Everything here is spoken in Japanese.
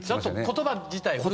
言葉自体が。